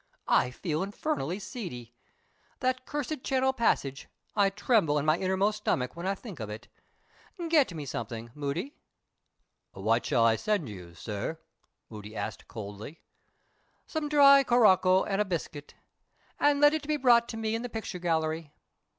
I feel infernally seedy. That cursed Channel passage I tremble in my inmost stomach when I think of it. Get me something, Moody." "What shall I send you, sir?" Moody asked coldly. "Some dry curacoa and a biscuit. And let it be brought to me in the picture gallery.